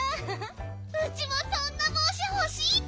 ウチもそんなぼうしほしいッピ！